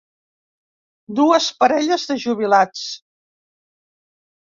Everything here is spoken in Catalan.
Dues parelles de jubilats.